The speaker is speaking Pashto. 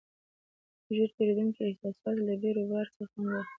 ژر تېرېدونکو احساساتو له بیروبار څخه خوند واخلو.